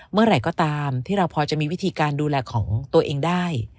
เมื่อไหร่ก็ตามที่เราพอจะมีวิธีการดูแลของตัวเองได้